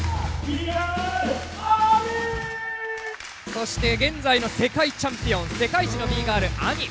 そして現在の世界チャンピオン世界一のＢＧＩＲＬＡＭＩ。